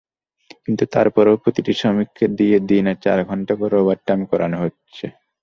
কিন্তু তারপরও প্রতিটি শ্রমিককে দিয়ে দিনে চার ঘণ্টা করে ওভারটাইম করানো হচ্ছে।